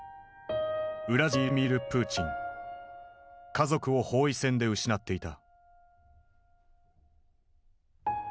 家族を包囲戦で失っていた。